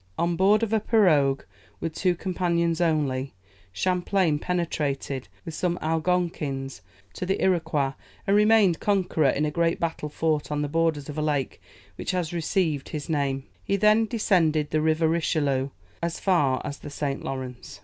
On board of a pirogue, with two companions only, Champlain penetrated, with some Algonquins, to the Iroquois, and remained conqueror in a great battle fought on the borders of a lake which has received his name; he then descended the river Richelieu, as far as the St. Lawrence.